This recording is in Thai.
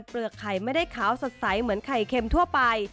ไข่ไม่ได้ขาวสดใสเหมือนไข่เค็มทั่วไป